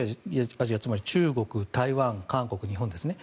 つまり中国、台湾韓国、日本ですね。